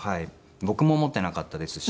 僕も思っていなかったですし。